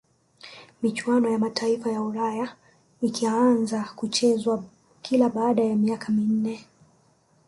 michuano ya mataifa ya ulaya ikaanza kuchezwa kila baada ya miaka minne